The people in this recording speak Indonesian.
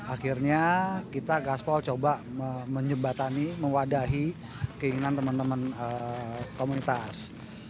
akhirnya kita gaspol coba menjebatani mewadahi keinginan teman teman komunitas